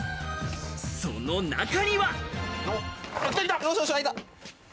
その中には。